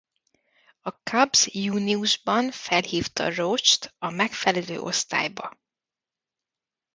A Cubs júniusban felhívta Roach-t a legfelső osztályba.